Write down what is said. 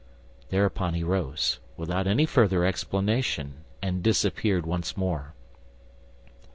Thereupon he rose, without any further explanation, and disappeared once more.